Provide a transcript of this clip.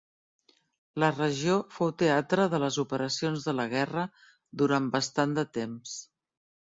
La regió fou teatre de les operacions de la guerra durant bastant de temps.